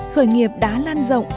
khởi nghiệp đã lan rộng